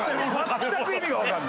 全く意味がわからない。